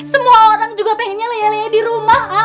semua orang juga pengennya lele di rumah a